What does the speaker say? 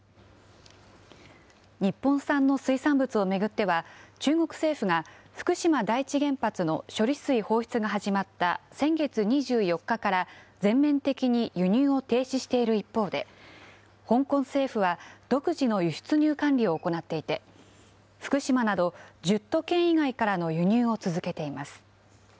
日本産の水産物を巡っては、中国政府が福島第一原発の処理水放出が始まった先月２４日から、全面的に輸入を停止している一方で、香港政府は独自の輸出入管理を行っていて、福島など１０都県以外からの輸入を続けています。